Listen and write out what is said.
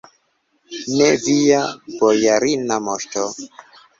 Ne, via bojarina moŝto!